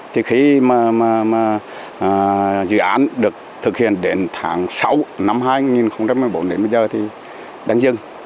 thì khi mà dự án được thực hiện đến tháng sáu năm hai nghìn một mươi bốn đến bây giờ thì đang dừng